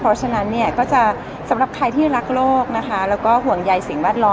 เพราะฉะนั้นเนี่ยก็จะสำหรับใครที่รักโลกนะคะแล้วก็ห่วงใยสิ่งแวดล้อม